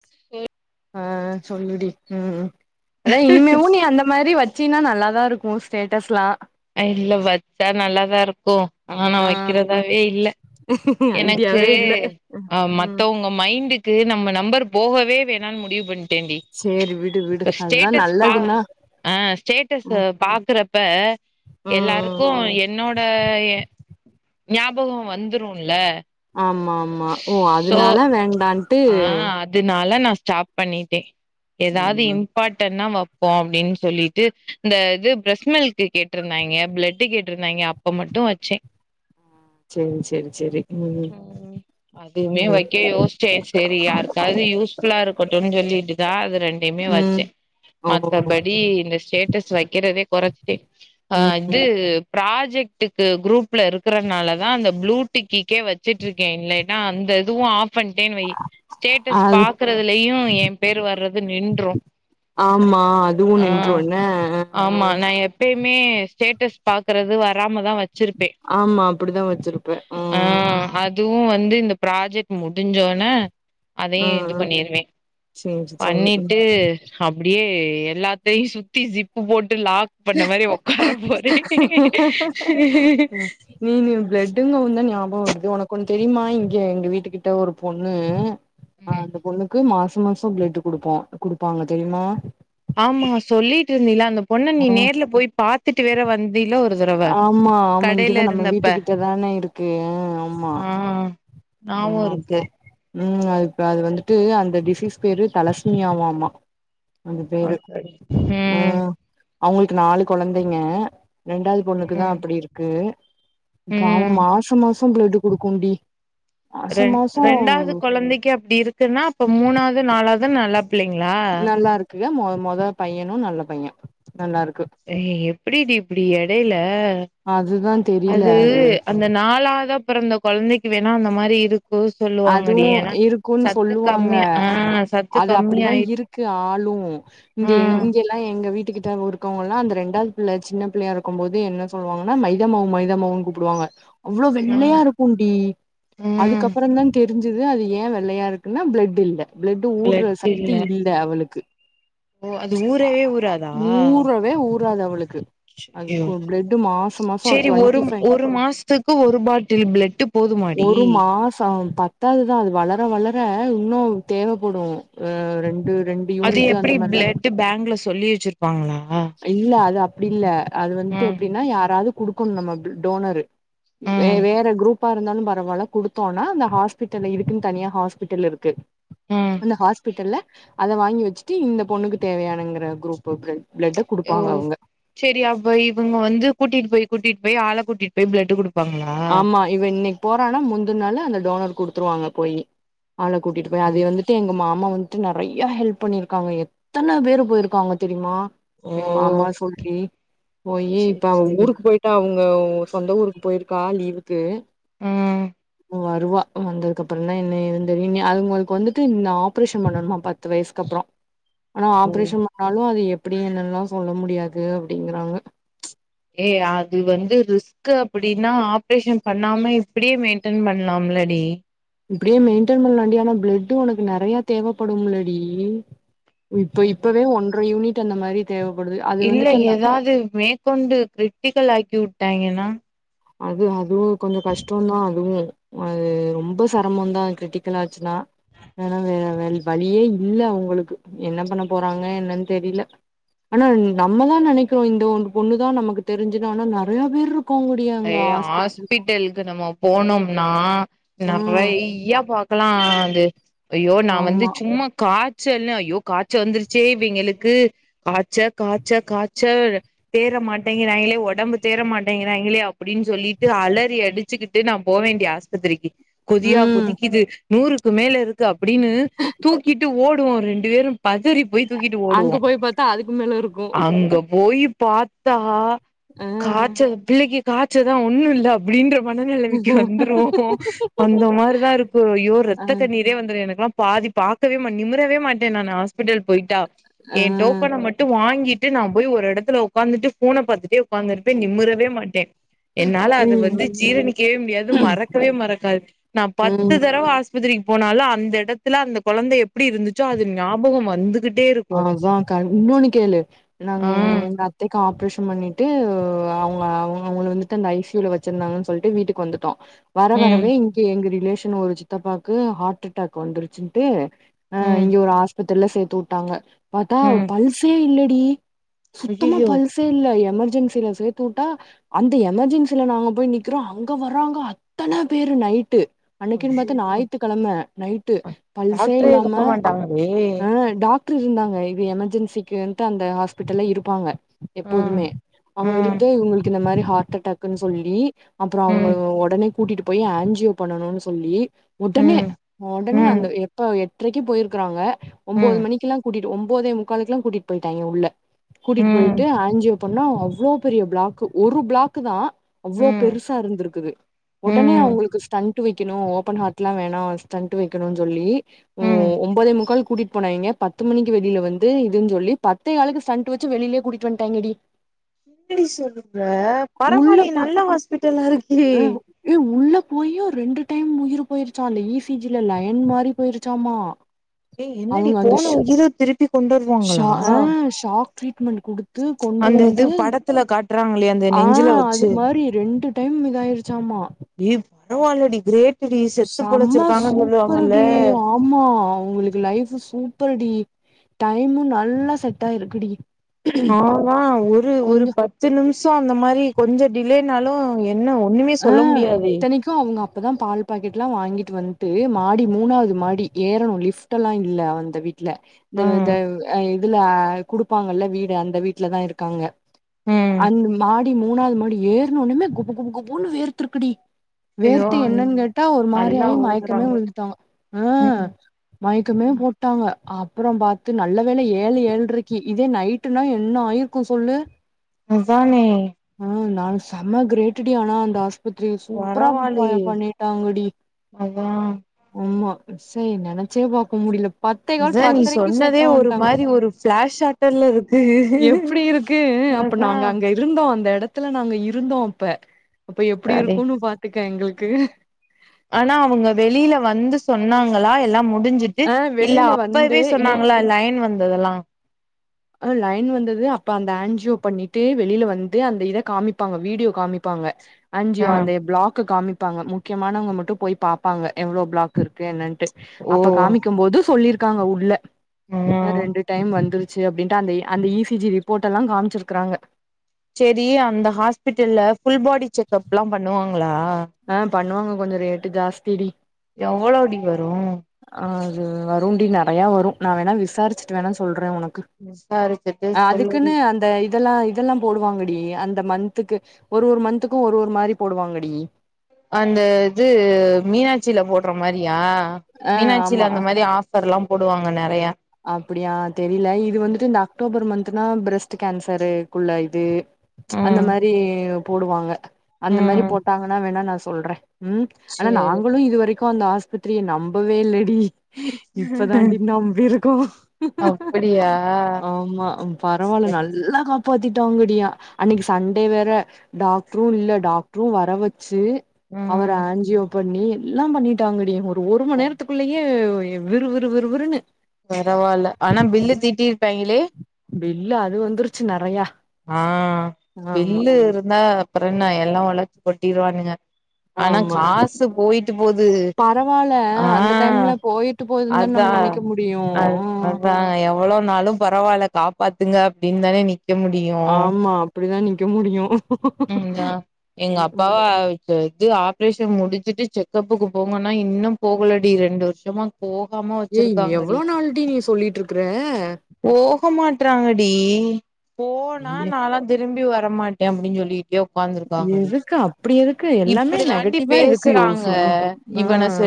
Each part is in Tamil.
[unintelligible] ஆ சொல்லுடி ம் அதா இனிமேவு நீ அந்த மாரி வச் ச்சினா நல்லாதாருக்கு ஸ்டேட்டஸ்லா இல்ல வச்சா நல்லாதா இருக்கு ஆனா நா ஆ வக்கிறதாவே இல்ல எனக்கு ஐடியாவே இல்ல அ ம் மத்தவுங்க மைண்டுக்கு நம்ம நம்பர் போகவே வேணான் முடிவு பண் டேன்டி சேரி விடு விடு அதுதா ஸ்டேட்டஸ் பா நல்லதுன்னா அ ஸ்டேட்டஸு ம் பாக்குறப்ப ம் எல்லாருக்கு என்னோட எ ஞாபகொ வந்துருல்ல ஆமாமா ஓ சோ அதுனால வேண்டான் ஆ அதுனா னால நா ஸ்டாப் பண்ணிட்டே எதாது ம் இம்பார்ட்டன்னா வப் வெப்போ அப்படின்னு சொல்லிட்டு இந்த. சேரி சேரி சேரி உம் உம். சேரி சேரி யாருக்காவது யூஸ்ஃபுல்லா இருக்கட்டும்ன்னு சொல்லிட்டுதா அது ரெண்டுமே வச்ச. ம் ஓ மத்தபடி இந்த ஸ்டேட்டஸ் வைக்கிறதே குறச்சுட்ட ஆஹ ம் இது. ப்ராஜெக்டுக்கு குரூப்ல இருக்கிறதுனாலதா அந்த ப்ளூ டிக்கிக்கே வச்சுட்டு இருக்க இல்ன்னா அந்த இதுவும் ஆஃப் பண். டேன்னு வையு ஸ்டேட்டஸ் அது பக்குறதுலயு என் பேர் வர்றது நின்று. ஆமா அதுவு நின்று ஆஹ என்ன ஆ ஆமா நா எப்பயுமே. மே ஸ்டேட்டஸ் பாக்கறது வராமதா வ. ஆமா அப்படிதா வச்சிருப்ப ஆ உஹம். அதுவு வந்து இந்த ப்ராஜெக்ட் முட். முடஞ்சோன. அதையு இது ம் பண்ணிருவ சேரி சேரி பண்ணிட்டு. அப்படியே எல்லாத்தையு சுத்தி சிப்பு போட்டு. லாக் பண்ண மாரி உக்கார போறே [unintelligible] நீனு பெட்டுகவுந்தா ஞாபகோ வருது. இது உனக்கு ஒண்ணு தெரியுமா இங்க எங்க வீட்டு கிட்ட ஒரு பொண்ணு. ஆஹ ம் அந்த பொண்ணுக்கு மாஸ். மாச மாசோ பிளெட்டு குடுப்போ குடுப்பாங்க தெரியுமா. ஆமா சொல்லிட்டு இருந்தீல அந்தப். பொண்ணு ஆ நீ நேர்ல போய் பாத்துட்டு வேற வந்தில ஒ. ஆமா ஆமா இங்கதா நம்ம வீட்டு கிட்டதானே இருக்கு ஆ ஆமா ஆ ஞாபோ இருக்கு ஆமாப்பா. உம் அதுப்ப அது வந்துட்டு அந்த டிசீஸ் பேரு தலஸ்மியாவாமா. அந்த ஆ சேரி உம். அவங்களுக்கு நாலு. குழந்தைங்க ரெண்டாவது. அவனுக்குதா ம் அப்படி இருக்கு. இப்ப அவ ம் மாசமா. சோம் பிளெட் குடுக்குண்டி. மாச ரெண் மாசோ ரெண்டாவது குழந்தைக்கு அப்படி இருக்குன்னா அப்ப மூணாவது நாலாவது. அதும் நல்லாப். பிள்ளைங்களா. மொத மொத பையனு நல்ல பைய. நல்லா இருக்கு ஏய் எப்படிடி இப்படி எடையில அதுதா தெரில அது அந்த நாலாவதாப். அப்புறோ இந்த குழந்தைக்கு வேணா அந்த மாரி இருக். அதுவும் இருக்கும்ன்னு சொல்லுவாங்க. கம்மியா ஆ சத்து அது அப்படிதா கம்மியாயி இருக்கு ஆளும் இந்த ஆ இங்க எல்லா எங்க வீட்டுக். கிட்ட இருக்கவங்கல்லா அந்த ரெண்டாவது பிள்ள சின்ன பிள்ளையா இருக்கும் போதே என்ன சொல்லுவாங்கன்னா மைதாமாவு மைதாமாவுன்னு கூப்புடுவாங்க. அவ்வளோ ஆ வெள்ளையா இருக்கு டி ம் அதுக்கப். இப்தான் தெரிஞ்சுது அது ஏன் வெள்ளையா இருக்குன்னா பிளட் இல்ல பிளட் ஊருற சக்தி இல்ல அவளுக்கு ஓ அது ஊரவே ஊராதா ஊராது அவளுக்கு அதுக்கு பிளட் மாச மாச சரி ஒரு டுவெண்ட்டி ஃபை ஒரு மாசத்துக்கு ஒரு பாட்டில் பிளட் போ ஒரு மாசம் பத்தாது தான் அது வளர வளர இன்னும் தேவைப்படும் அஹ் ரெண்டு ரெண்டு அது யூனிட் அந்த எப்டி மாரிலா பிளட் பேங்குல சொல்லி வச்சிருப்பாங்களா இல்ல அது அப் அப்பிடி இல்ல அது வந்துட்டு ம் எப்டின்னா யாராவது குடுக்கணு நம்ம பி டோனரு வே ம் வேற குரூப் அப்பா இருந்தாலும் பரவாயில்ல குடுத்தோம்னா அந்த ஹாஸ்பிட்டல இருக்குன்னு தனியா ஹாஸ்பிட்டல் இருக்கு ம் அந்த ஹஸ்பிட்டல்ல அத வாங்கி வச்சுட்டு இந்த பொண்ணுக்கு தேவையானுங்கிற குரூப்பு பிலெட் ஓ சேரி அப்ப இவுங்க வந்து கூட்டிட்டு போயி குட்டிட்டு போய் ஆள கூட்டிட்டு போய் பிளட்டு குடுப் ஆமா இவ இன்னைக்கு போறானா முந்தின நாள் அந்த டோனர் குடுத்துருவாங்க போயி் ஆள கூட்டிட்டு போய் அது வந்துட்டு எங்க மாமா அம்மா வந்துட்டு நிறைய ஹெல்ப் பண்ணிருக்காங்க எத்தனை பேரு போயிருக்காங்க தெரியுமா ஓ எங்க மாமாவ சொல்லி போயி இப்ப அவ செரி ஊருக்கு போயிட்டாங்க ஓ சொந்த ஊருக்கு போயிருக் கா லீவுக்கு உம் வருவா வந்ததுக்கு அப்புறம் தான் என்ன ஏதுன்னு தெரியும் அவுங்களுக்கு வந்துட்டு இந்த ஆபரேஷன் பண்ணணுமா பத்து வயசுக்கு அப்புறம் ஆனா ஆப்ரேஷன் பண்ணாலும் அது எப் அப்டி என்னல்லாம் சொல்ல முடியாது அப்டிங்கறாங்க ஏ அது வந்து ரிஸ்க்க் அப்டின்னா ஆப்ரேஷன் பண்ணாம இப்டியே மெயின்டென் பண்ணலாம்லடி இப்டியே மெயின்டென் பண்ணலாம்ண்டி ஆனா பிளட்டு் உனக்கு நெறைய தேவைப்படும்லடி இப்ப இப்பவே ஒன்ரை யூனிட் டு அந்த மாரி தேவைப்படுது அது வந்துட்டு அந்த இல்லஏதாவது மேற்கொண்டு கிரிட்டிக்கல் ஆக்கி விட்டு விட்டாய்ங்கன்னா அது அதுவும் கொஞ்சம் கஷ்டம் தான் அதுவுமே அது ரொம்ப சிரமம் தான் கிரிட்டிக்கலாச்சுன்னா ஆனா வேற வழியே இல்லஅவுங்களுக்கு என்ன பண்ண போறாங்க என்னன்னு தெரில ஆனா நம்மதான் நெனைக்கிறோம் இந்த ஒ பொண்ணுதான் நமக்கு தெரிஞ்சன ஆனா நெறைய பேர் இருக்காங்க அதே ஹாஸ்பிட்டலுக்கு நம்ம போனோம் நான் ம் நெறையாபாக்கலாம் அது அய்யோ நான் வந்து ஆமா சும்மா கா காச்சல் ஐயோ காச்சவந்துருச்சே இவங்களுக்கு காச்ச காச்ச காச்ச தேர மாட்டேங்கிறாங்களே ஒடம்பு தேர மாட்டேங்கிறாங்களே அப்படின்னு சொல்லிட்டு அலறி அடிச்சுக்கிட்டு நான் போவேண்டிய ஆஸ்பத்திரிக்கு கொதியா ம் கொதிக்குது நூறுக்கு மேல இருக்கு அப் அப்படின்னு தூக்கிட்டு ஓடு ரெண்டு பேரும் பதறி போய் தூக்கிட்டு அங்க ஓடுவோம் போய் பாத்தா அதுக்கு மேல இருக்கு அங்கப் போய் பாத்தா ஆ காச்ச பிள்ளக்கி காய்ச்சதான் ஒண்ணும் இல்ல அப்படின்ற மனநிலைமைக்கு வந்துரும் அந்த மாரிதான் இருக்கும் ஐயோ ஆ ரத்த கண்ணீரே வந்துரும் எனக்லா பாதி பாக்கவே நிமிறவே மாட் நான் ஹாஸ்பிட்டல் போயிட்டா ஆ என் டோக்கன மட்டும் வாங்கிட்டு ட்டு நான் போய் ஒரு எடத்துல உகந்துட்டு போன பத்துட்டே அங்கபோய் நிமிறவே மாட்டேன் என்னால அது வந்து ம் ஜீரணிக்கவே முடியாது மறக்கவே மறக்காது நான் ம் பத்து தடவ ஆஸ்பத்திரி போனாலும் அந்த எடத்துல அந்த கொழந்தை எப்டி இருந்துச்சோ அது ஞாபகம் வந்து அதான் கா இன்னொன்னு கேளு நாங்க ஆ எங்க அத்தைக்கு ஆப்ரேஷன் பண்ணி ட்டு அவங்க அவங்க வந்து அத்த ஐசியூ ல வச்சிருந்தாங்கன்னு சொல்ட்டு வீட்டுக்கு வந்துட்டோம் வர ம் வரவே இங்க எங்க ரிலே ஒரு சித்தப்பாக்கு ஹார்ட் அட்டாக் வந்துருச்சுன்ட்டு ஆஹ் ம் இங்க ஒரு ஆஸ் பத்ரில்ல சேர்த்துட்டு விட்டாங்க பாத்த ம் பல்சே இல்ல டி சுத்தமா ஐயையோ பல்சே இல்ல எமர்ஜென் ஸுல சேர்த்து வுட்டா அந்த எமர்ஜென்சில நாங்க போய் நிக்கிறோ அங்க வர்றங்க அத்தன பேரு நைட்டு அன்னிக்குன் பாத்து ஐயையோ ஞாயித்துக்கிழம நைட்டு பல்சே டாக்டரே இல்லாம இருக்க மாட்டாங்களே ஆஹ் டா க்ட்ரு இருந்தாங்க இது எமர்ஜென்சிக்குந்ட்டு அந்த ஹாஸ்பிட்டல்ல இருப்பாங்க ம் எப்போதுமே அவுங்க ம் இருந்து இவுங்ளுக் இந்த மாரி ஹா ட்டடாக்குன் சொல்லி அப்புற அவுங்க ம் ஒடனே கூட்டிட்டு போய் ஆன்ஜியோ பண்ணணுன்னு சொல்லி உடனே ம் உடனே ம் அந்த எப்ப எட்ரைக்கு போயிருக்கறாங்க ஒம்போது ம் மணிக்குலா கூட்டிட்டு ஒம்போதே முக்காலுக்கல கூட்டிட்டு போயிட்டாங்க உள்ள கூட்டிட்டு ம் போயிட்டு ஆன்ஜியோ அப்புன்னா அவ்ளோ பெரிய பிளாக்கு ஒரு பிளாக்கு தா அவ்ளோ ம் பெருசா இருந்திருக்குது உடனே ம் அவுங்களுக்கு ஸ்டண்டட் வெ க்கணு ஓபன் ஹார்ட் லா வேணா ஸ்டண்ட் வெக்கணு சொல்லி ம் ஒம்போதே முக்கால் கூட்டிட்டு போனாய்ங்க ப த்து மணிக்கு வெளில வந்து இதுன்னு சொல்லி பத்தேகாலுக்கு ஸ்டண்ட வச்சு வெளியிலே கூட்டிட்டு வந்ட்டாய்ங்கடி என்னடி சொல்லுத உள்ள பரவாலி போ நல்ல ஹாஸ்பிட்டல்லா இருக்கே அ ஏ உள்ள போயு ரெண்டு டைம் உயிர் போயிருச்சாலே அந்த ஈ சி ஜி ல லயன் மாறி போயிருச்சாமா ஏ என்னடி அவங்க அந்த போன ஷா உயிர் இது திருப்பி கொண்டு ஷா வருவாங்களா ஆ ஷாக் ட்ரீட்மெண்ட் அந்த இது படத்துல கா ஆஹ் அது மாரி ரெண்டு டைம் இதாயிருச்சாமா ஏய் பரவாயில்லடி கிரேட் செம்மா சூப்பர்டி ஆமா உங்ளுக் லைப் சூப்பர் டி டைமு நல்லா செட்டா இருக்கு டி ஆனா ஒரு ஒரு பத்து நிமி சோ அந்த மாரி கொஞ்ச டிலேனாலு என்ன ஒண்ணுமே சொல்ல முடியாதே இப்பதா பால் பாக்கெட் எல்லா வாங்கிட்டு வந்ட்டு மாடி மூணாவது மாடி ஏறணு லிப்ட் எல்லா இங்க இல்ல அந்த வீ ட்ல ம் [unintelligible] அதுல குடுப்பாங்கல்ல வீடு அந்த வீட்ல தா இருக்காங்க ம் அந்த மா மூணாவது மாடி ஏறனஒனமே குபு குபு குப் உன்ன வேர்திருக்குடி ஐயோ வேர்த்து என்னன்னு கேட்டா ஒரு மாரி நல்லா ஆயி மயக்கமே ஓதுறாங்க விழுந்துட்டாங்க ஆஹ் ம் மயக்கமே ம் போட்டாங்க அப்புறம் பாத்து நல்ல வேல ஏழு ஏழ்ரைக்கு இதே நைட் ட்டுனா என்ன ஆயிருக்கும் சொல்லு அதானே சம கிரேட்டு கி அந்த ஆஸ் பத்திரி சூப்பரா பரவால்லயே பண்ணிட்டாங்கடி அதா ஆமா சரி நெனச்சே பாக்க முடில அதான் நீ சொன்னதே ஒரு மாரி ஒரு பிளாஷாட்டல்ல இருக்கு எப்டி அதான் எடத்துல நாங்க இருந்தோம்அப்ப அப்ப எப்படி சரி இருக்கும்னு பாத்து இருக்க எங்களுக்கு ஆனா அவங்க வெளியில வந்து சொன்னாங்களா எல்லாம் முடி முடிஞ்சிட்டு ஆ இல்ல வெளில வந்து அப்பவே இல்ல சொன்னாங்களா லைன் வந்து அந்ததெல்லாம் அஹ் லைன் வந்தது அப்ப அந்த ஆன்ஜியோ பண்ணிட்டு வெளில வந்து அந்த இத காமிப்பாங்க வீடியோ காமிப்பாங்க ஆஞ்சியோ ஆ அந்த பிளாக்காமி இருப்பாங்க முக்கியமானவங்க மட்டும் போய் பாப்பாங்க எவ்வளோ பிளாக் இருக்கு என்னட்டு ஓ அப்ப காமிக்கும் போது சொல்லிரு இருக்காங்க உள்ள ம் நாரெண்டு டைம் வந்துரு அப்படின் அந்த அந்த இசிஜி ரிப்போர்ட் எல்லாம் காமிச்சிருக்கறாங்க செரி அந்த ஹாஸ்பிட்டல்ல புல் பாடி செக்ப் எல்லாம் பண்ணுவாங்க ங்களா ஆ பண்ணுவாங்க கொஞ்சம் ரேட்டு ஜாஸ்திடி எவ்வளவு டி வரும் வரும்ண்டி நெறையா வரும் நான் வேணா விசாரிச்சிட்டு வேணா சொல்றேன் உனக்கு விசாரிச்சுட்டு சொல்லுடி அதுக்குன்னு அந்த இதெல்லாம் இதெல்லாம் போடுவாங்கடி அந்த மந்த்துக்கு ஒரு ஒரு மந்த்துக்கும் ஒரு ஒரு மாரி போடுவாங்கடி அந்த இது மீனாட்சியில போட் மாரியா ஆ மீனாட்சியில ஆமா அந்த மாரி ஆஃபர் எல்லாம் போடுவாங்க நறையா அப்டியா தெரில இது வந்துட்டு இந்த அக்டோபர் மந்த்னா பிர பிரஸ்ட் கேன்சர்குள்ள இது அந்த ம் மாரி போடுவாங்க அந்த மாரி ம் போட்டாங்கன்னா வேணா நான் சொல்றேன் உம் ஆனா சேரி நாங்களும் இதுவரைக்கும் எதுக்கும் அந்த ஆஸ்பத்திரிய நம்பவே இல்லடி இப்பதாண்டி நம்பி இருக் அப்டியா ஆமா பரவாயில்ல சேரி நல்லா காப் பாத்திட்டாங்கா அன்னைக்கு சண்டே வேற டாக்டரும் இல்ல டாக்டரும் வர வச் சு அவர் ம் ஆன்ஜியோக்கு பண்ணி எல்லா பண்ணிட்டாங்க டி ஒரு மணி நேரத்துக்குள்ளயே விறுவிறு விறுவிறுன்னு பரவாயில்ல ஆனா பில்லு தீட்டி பாங்களே பல்லு அது வந்துருச்சு நெறையா ஆஹ் ஆமா பில்லு இருந்தா அப்புறம் என்ன எல்லா உழ கொட்டிருவானுங்க ஆனா ஆமா காசு போயிட்டு போகுது பரவால்ல அந்த ஆஹ் டைம்ல போயிட்டு போதுன்னு தான நம்ம அதான் நெனைக்க முடியு அ அதான் எவ்ளோ நாளும் பரவாயில்ல காப்பாத்துங்க அப்டின்னு தானே நிக்க மு டியும் அப்டிதானி உம் எங்க ம் ம் அப்பாவா இது ஆப் ஆப்ரேஷன் முடிச்சிட்டு செக்கப்புக்கு போங்கன்னா இன்னும் போகலடி ரெண்டு வருஷமா போகாம ஏய் வச்சிருக்காங்கடி எங்ளே நாளு டி நீ சொல்லிட்டு இருக்குற போ மாட்டுறாங்க டி போனா ஐய நா எல்லா திரும்பி வர் வர மாட்டேன் அப்டின்னு சொல்லி எதுக்கு அப்டி எதுக்கு எல்லாமே இப்டி தாண்டி நெகட்டிவா எதுக்கு பேசுறாங்க யோசிக்கும் ஆஹ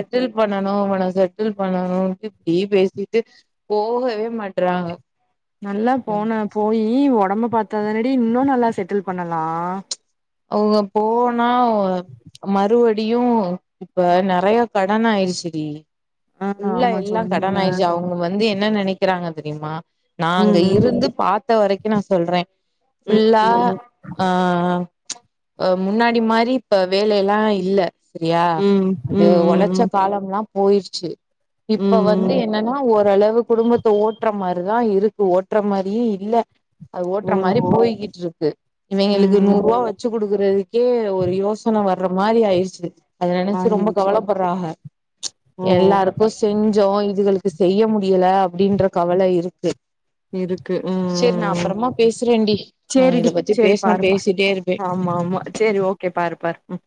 அவன செட்டில் பண்ணணும் இப்படி பேசிட்டு போகவே மாட்டறாங்க நல்லா போனே போயி உடம்ப பத்தா தானடி இன்னும் நல்லா செட்டில் பண்ணலாம் அவுக போனா மறுவடியும் இப்ப நிறைய கடன்னாயிடுச்சு டி ஆ புல்ல ஆமா எல்லாம் சொன்னீல கடன் ஆயடுச்சு அவங்க வந்து என்ன நினைக்கிறாங்க தெரியுமா நாங்க ம் இருந்து பாத் த்த வரைக்கும் நான் சொல்றேன் ம் ஃபுல்லா ம் ஆஹ் முன்னாடி மாரி இப்ப வேலை எல்லாம் இல்ல சரியா ம் ம் ம் ம் அது ம் உழைச்ச ம் காலம் எல்லாம் போயிருச்சு இப்ப வந்து ம் என்னன்னா ஒரு ஓரளவு குடும்பத்தை ஓட்டுற மாரிதான் இருக்கு ஓட்டுற மாரியும் இல்ல அது ஓட்டுற மாரி ஓஹோ போய்கிட்டு இருக்கு இவிங்களுக்கு ம் நூறு ரூபா குடுக்குறது கே ஒரு யோசன வ மாரி ஆயிடுச்சு அத நினைச்சி ரொம்ப ஆயிடுச்சு கவலைப்படுறாக ஓ எல்லாருக்கும் செஞ் கொஞ்சம் இதுகளுக்கு செய்ய முடியல அப்படின்ற கவல இருக்கு இருக்கு ம் சரி நான் ம் ம் அப்புறமா பேசுறேன்டி நான் சேரிடி இத பத்தி சேரி பேசினா பாருப்பா பேசிட்டே இருப்பேன் ஆமா ஆமா சரி ஓகே பாரு பாரு